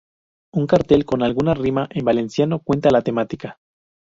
Un cartel con alguna rima en valenciano cuenta la temática.